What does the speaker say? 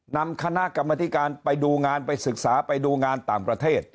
นำคณะกรรมธิการไปดูงานไปศึกษาไปดูงานต่างประเทศ